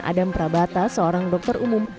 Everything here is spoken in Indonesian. adam prabata seorang dokter umum